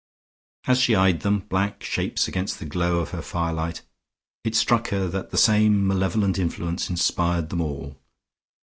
As she eyed them, black shapes against the glow of her firelight, it struck her that the same malevolent influence inspired them all.